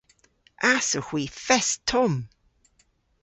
Ass owgh hwi fest tomm!